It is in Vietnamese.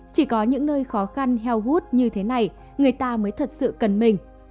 chỉ có những nơi khó khăn heo hút như thế này người ta mới thật sự cần mình